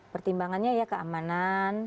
pertimbangannya ya keamanan